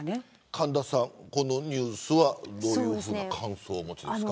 神田さん、このニュースはどういう感想をお持ちですか。